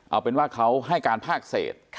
เอาเป็นว่าเขาให้การภาคเศษ